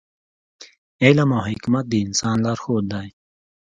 علم او حکمت د انسان لارښود دی.